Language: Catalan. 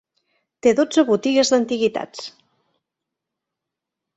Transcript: Té dotze botigues d'antiguitats